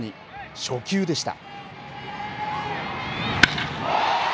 初球でした。